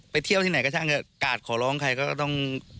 เที่ยวที่ไหนก็ช่างกาดขอร้องใครก็ต้อง